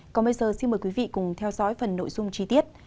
còn bây giờ xin mời quý vị cùng theo dõi phần nội dung chi tiết